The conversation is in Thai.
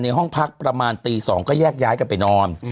ห้องพักประมาณตี๒ก็แยกย้ายกันไปนอน